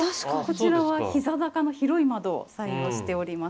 こちらはひざ高の広い窓を採用しております。